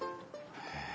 へえ。